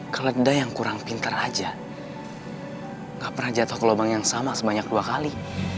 keleda yang kurang pintar aja gak pernah jatuh ke lubang yang sama sebanyak dua kali